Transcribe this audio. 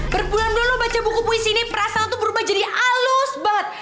berbulan dulu baca buku puisi ini perasaan tuh berubah jadi halus banget